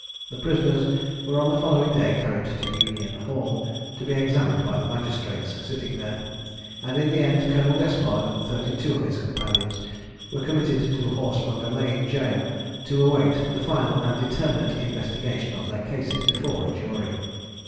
The prisoners were on the following day carried to Union Hall, to be examined by the magistrates sitting there; and in the end Colonel Despard, and thirty two of his companions, were committed to Horsemonger lane Gaol to await the final and determinate investigation of their cases before a jury.